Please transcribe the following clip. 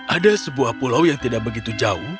ada sebuah pulau yang tidak begitu jauh